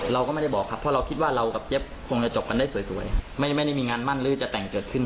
เราก็ไม่ได้บอกครับเพราะเราคิดว่าเรากับเจี๊บคงจะจบกันได้สวยครับไม่ได้มีงานมั่นหรือจะแต่งเกิดขึ้น